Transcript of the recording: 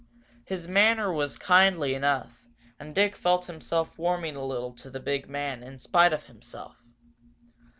His manner was kindly enough, and Dick felt himself warming a little to the big man in spite of himself.